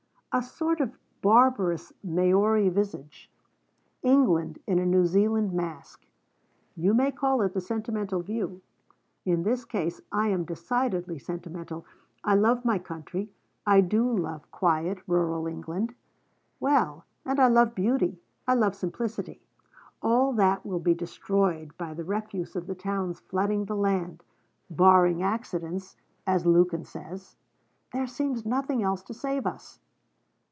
a sort of barbarous Maori visage England in a New Zealand mask. You may call it the sentimental view. In this case, I am decidedly sentimental: I love my country. I do love quiet, rural England. Well, and I love beauty, I love simplicity. All that will be destroyed by the refuse of the towns flooding the land barring accidents, as Lukin says. There seems nothing else to save us.'